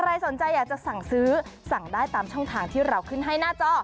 ใครสนใจอยากจะสั่งซื้อสั่งได้ตามช่องทางที่เราขึ้นให้หน้าจอ